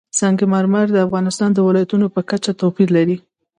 سنگ مرمر د افغانستان د ولایاتو په کچه توپیر لري.